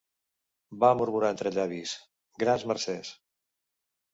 Va murmurar entre llavis: -Grans mercès.